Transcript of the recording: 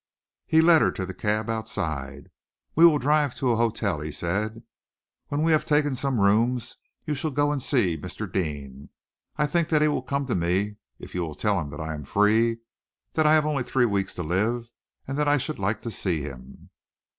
He led her to the cab outside. "We will drive to a hotel," he said. "When we have taken some rooms, you shall go and see Mr. Deane. I think that he will come to me if you will tell him that I am free, that I have only three weeks to live, and that I should like to see him."